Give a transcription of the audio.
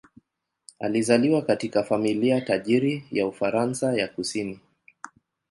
Alizaliwa katika familia tajiri ya Ufaransa ya kusini.